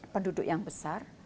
penduduk yang besar